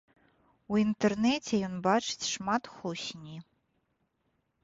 У інтэрнэце ён бачыць шмат хлусні.